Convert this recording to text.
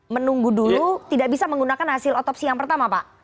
menunggu dulu tidak bisa menggunakan hasil otopsi yang pertama pak